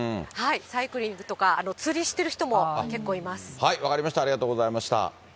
サイクリングと分かりました、ありがとうございました。